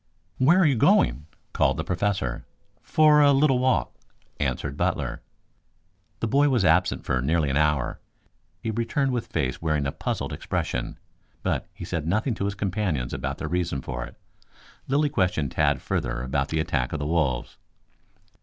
"Where are you going?" called the Professor. "For a little walk," answered Butler. The boy was absent for nearly an hour. He returned with face wearing a puzzled expression, but he said nothing to his companions about the reason for it. Lilly questioned Tad further about the attack of the wolves.